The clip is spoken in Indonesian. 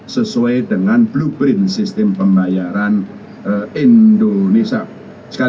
sesuai dengan sistem pembayaran blueprint indonesia